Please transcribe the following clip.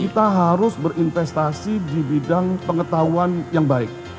kita harus berinvestasi di bidang pengetahuan yang baik